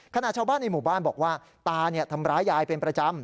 ชาวบ้านในหมู่บ้านบอกว่าตาทำร้ายยายเป็นประจำ